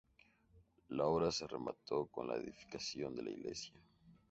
La obra se remató con la edificación de la iglesia.